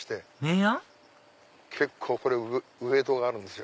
結構ウエートがあるんですよ。